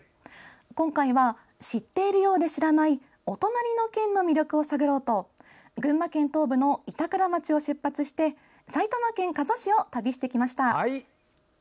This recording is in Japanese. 今回は知っているようで知らないお隣の県の魅力を探ろうと群馬県東部の板倉町を出発して埼玉県加須市を旅してきました。